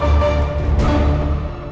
dan dia mencari anak roy